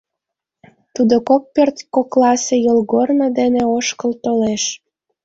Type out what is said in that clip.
Тудо кок пӧрт кокласе йолгорно дене ошкыл толеш.